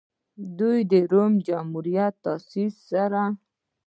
د روم جمهوریت په تاسیس سره.